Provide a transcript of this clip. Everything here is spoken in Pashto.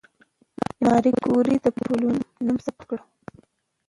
ماري کوري د پولونیم نوم ثبت کړ.